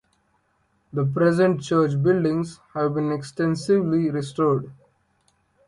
The present church buildings have been extensively restored.